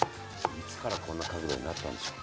いつからこんな角度になったんでしょう。